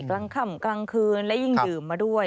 กลางค่ำกลางคืนและยิ่งดื่มมาด้วย